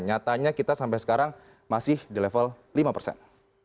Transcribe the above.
nyatanya kita sampai sekarang masih di level lima persen